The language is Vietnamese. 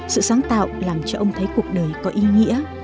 sự sáng tạo làm cho ông thấy cuộc đời có ý nghĩa